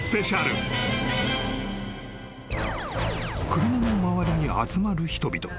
［車の周りに集まる人々］